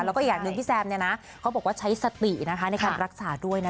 แล้วก็อีกอย่างหนึ่งพี่แซมเนี่ยนะเขาบอกว่าใช้สตินะคะในการรักษาด้วยนะ